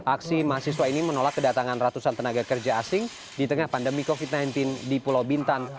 aksi mahasiswa ini menolak kedatangan ratusan tenaga kerja asing di tengah pandemi covid sembilan belas di pulau bintan